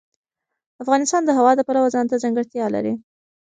افغانستان د هوا د پلوه ځانته ځانګړتیا لري.